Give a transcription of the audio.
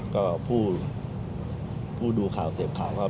ก็ผู้ดูข่าวเสียบข่าวครับ